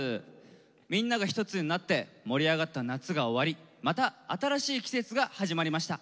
みんなが一つになって盛り上がった夏が終わりまた新しい季節が始まりました。